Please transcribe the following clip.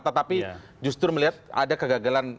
tetapi justru melihat ada kegagalan